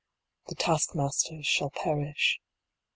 The task masters shall perish.